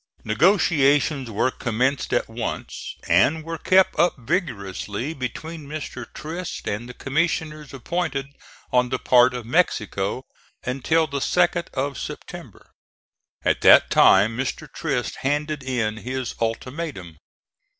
Negotiations were commenced at once and were kept up vigorously between Mr. Trist and the commissioners appointed on the part of Mexico, until the 2d of September. At that time Mr. Trist handed in his ultimatum.